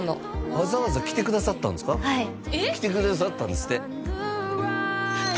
わざわざ来てくださったんですかはい来てくださったんですって何？